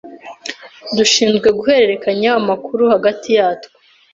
dushinzwe guhererekanya amakuru hagati yatwo